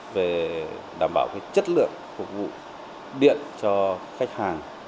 về đảm bảo chất lượng phục vụ điện cho khách hàng